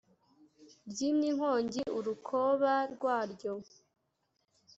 ryimye inkongi urukoba rwaryo